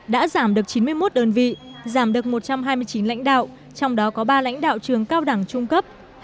đã giảm được chín mươi một đơn vị giảm được một trăm hai mươi chín lãnh đạo trong đó có ba lãnh đạo trường cao đẳng trung cấp